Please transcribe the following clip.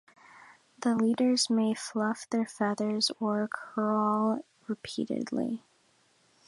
The leaders may fluff their feathers or caroll repeatedly.